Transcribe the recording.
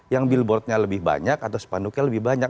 yang billboardnya lebih banyak atau spanduknya lebih banyak